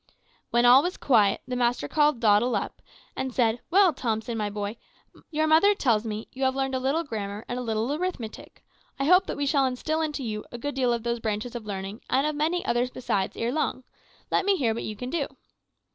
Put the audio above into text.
"When all was quiet the master called Doddle up, and said, `Well, Thompson, my boy, your mother tells me you have learned a little grammar and a little arithmetic. I hope that we shall instil into you a good deal of those branches of learning, and of many others besides, ere long. Let me hear what you can do.'